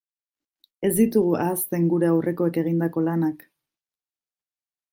Ez ditugu ahazten gure aurrekoek egindako lanak.